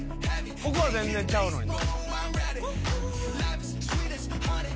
ここは全然ちゃうのに。